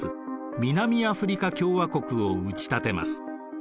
南アフリカ共和国を打ち立てます。